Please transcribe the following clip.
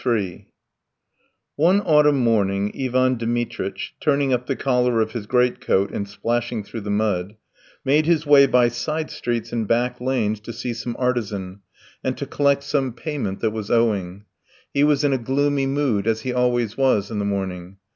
III One autumn morning Ivan Dmitritch, turning up the collar of his greatcoat and splashing through the mud, made his way by side streets and back lanes to see some artisan, and to collect some payment that was owing. He was in a gloomy mood, as he always was in the morning.